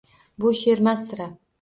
Bu she’rmas sira